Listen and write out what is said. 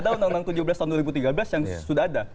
ada undang undang tujuh belas tahun dua ribu tiga belas yang sudah ada